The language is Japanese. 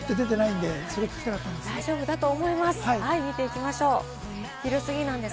傘持って出てきていないので、それ聞きたかったんです。